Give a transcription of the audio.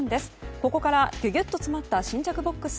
ここからギュギュッと詰まった新着ボックス